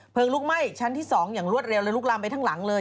ลุกไหม้ชั้นที่๒อย่างรวดเร็วเลยลุกลามไปทั้งหลังเลย